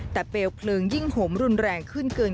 แต่เปลวเพลิงยิ่งห่มรุนแรงขึ้นเกิน